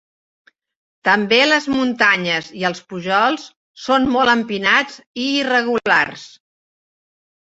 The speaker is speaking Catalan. També les muntanyes i els pujols són molt empinats i irregulars.